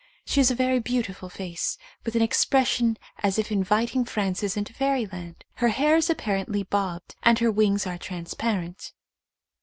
She has a very beau tiful face with an expression as if inviting Frances into Fairyland. Her hair is ap parently bobbed and her wings are trans parent.